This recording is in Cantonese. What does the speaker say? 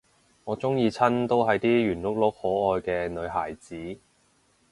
我鍾意親都係啲圓碌碌可愛嘅女孩子